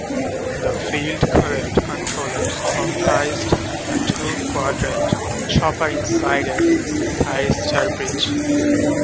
The field current controllers comprised a two quadrant chopper inside a thyristor bridge.